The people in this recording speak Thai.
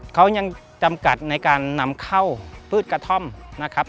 เขายังจำกัดในการนำเข้าพืชกระท่อมนะครับ